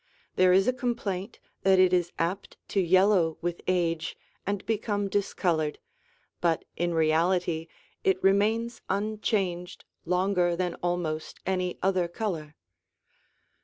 There is a complaint that it is apt to yellow with age and become discolored, but in reality it remains unchanged longer than almost any other color.